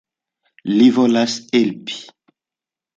Li volas helpi.